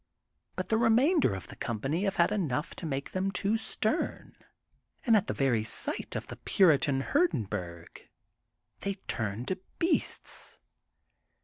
But the remainder of the com pany have had enough to make them too stem and at the very sight of the *^ puritan'' Hurdenburg, they turn to beasts.